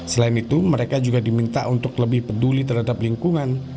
selain itu mereka juga diminta untuk lebih peduli terhadap lingkungan